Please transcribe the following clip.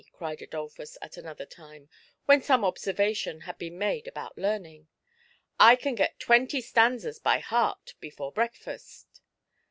cried Adolphus at another time, when some observation had been made about learning ;" I can get twenty stanzas by heart before breakfast